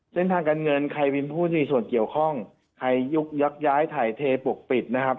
เส้นทางการเงินใครเป็นผู้ที่มีส่วนเกี่ยวข้องใครยุกยักย้ายถ่ายเทปกปิดนะครับ